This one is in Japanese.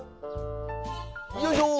よいしょ！